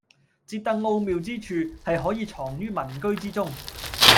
折凳奧妙之處，係可以藏於民居之中